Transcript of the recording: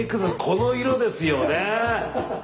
この色ですよね！